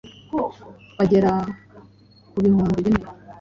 bagera ku bihumbi bine